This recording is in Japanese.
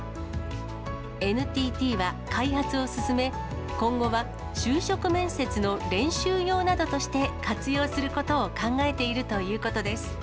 ＮＴＴは開発を進め、今後は就職面接の練習用などとして活用することを考えているということです。